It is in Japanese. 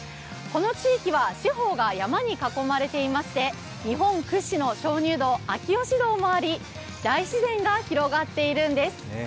この地域は四方が山に囲まれていまして、日本屈指の鍾乳洞・秋芳洞もあり大自然が広がっているんです。